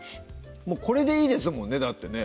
もうこれでいいですもんねだってね